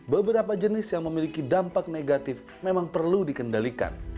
beberapa jenis yang memiliki dampak negatif memang perlu dikendalikan